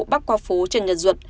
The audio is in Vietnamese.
bắc qua phố trần nhật duận